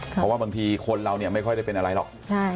เพราะว่าบางทีคนเราเนี่ยไม่ค่อยได้เป็นอะไรหรอก